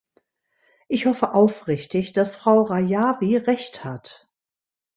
Ich hoffe aufrichtig, dass Frau Rajavi recht hat.